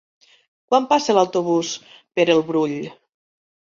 Quan passa l'autobús per el Brull?